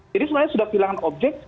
jadi sebenarnya sudah hilang objek